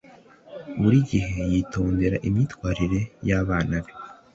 buri gihe yitondera imyitwarire y'abana be